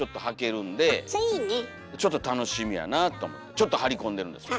ちょっとはりこんでるんですよ